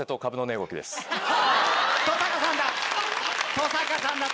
登坂さんだった！